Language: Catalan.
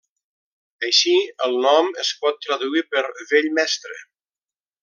Així, el nom es pot traduir per 'Vell mestre'.